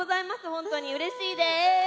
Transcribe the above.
ほんとにうれしいです。